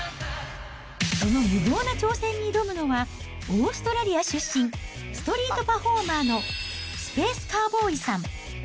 その無謀な挑戦に挑むのは、オーストラリア出身、ストリートパフォーマーのスペース・カウボーイさん。